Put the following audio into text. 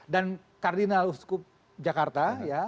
dan kardinal uskup jakarta